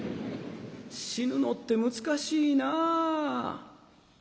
死ぬのって難しいなあ」。